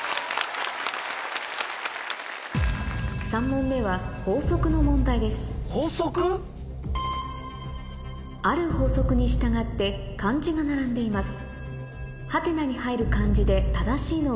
３問目は法則の問題ですある法則に従って漢字が並んでいます